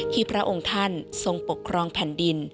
พระองค์ท่านทรงปกครองแผ่นดิน